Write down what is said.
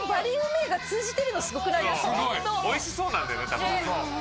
おいしそうなんだよね多分ね。